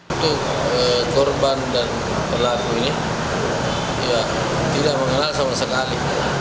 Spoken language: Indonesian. untuk korban dan pelaku ini ya tidak mengenal sama sekali